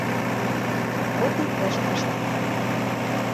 Вот и ыштышт.